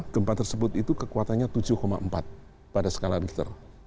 gempa tersebut itu kekuatannya tujuh empat pada skala richter